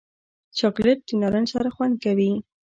چاکلېټ د نارنج سره خوند کوي.